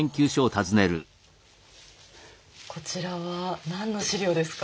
こちらは何の史料ですか？